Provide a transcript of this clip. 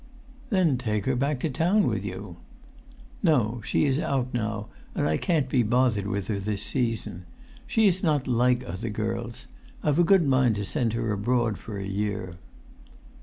"Then take her back to town with you." "No, she is out now, and I can't be bothered with her this season. She is not like other girls. I've a good mind to send her abroad for a year."